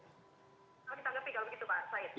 kalau ditanggapi kalau begitu pak said